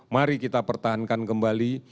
mari kita pertahankan kembali